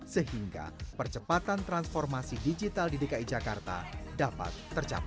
sehingga percepatan transformasi digital di dki jakarta dapat tercapai